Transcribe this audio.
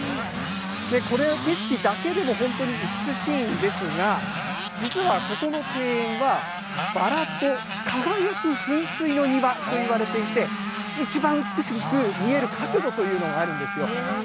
これ、景色だけでも本当に美しいんですが、実は、ここの庭園は、バラと輝く噴水の庭といわれていて、一番美しく見える角度というのがあるんですよ。